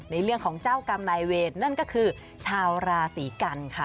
ในเรื่องของเจ้ากรรมนายเวรนั่นก็คือชาวราศีกันค่ะ